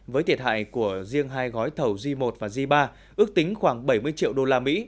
với thiệt hại của riêng hai gói thầu g một và g ba ước tính khoảng bảy mươi triệu usd